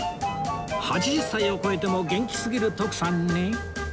８０歳を超えても元気すぎる徳さんに